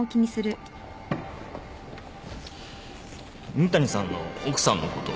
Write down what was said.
仁谷さんの奥さんのことは？